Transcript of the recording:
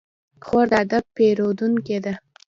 خور د ادب پېرودونکې ده.